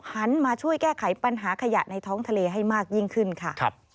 หันมาช่วยแก้ไขปัญหาขยะในท้องทะเลให้มากยิ่งขึ้นค่ะ